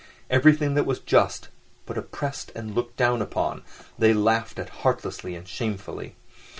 Everything that was just, but oppressed and looked down upon, they laughed at heartlessly and shamefully.